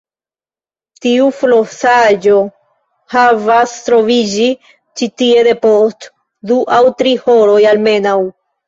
Tiu flosaĵo devas troviĝi ĉi tie depost du aŭ tri horoj almenaŭ.